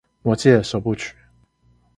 魔戒首部曲